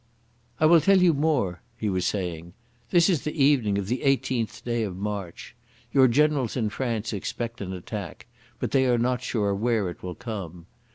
"I will tell you more," he was saying. "This is the evening of the 18th day of March. Your generals in France expect an attack, but they are not sure where it will come.